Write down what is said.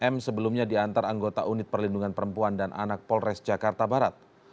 m sebelumnya diantar anggota unit perlindungan perempuan dan anak polres jakarta barat